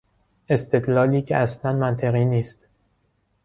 استدلالی که اصلا منطقی نیست.